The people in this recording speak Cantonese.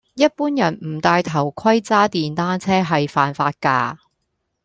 一般人唔戴頭盔揸電單車係犯法㗎